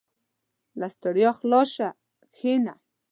• له ستړیا خلاص شه، کښېنه.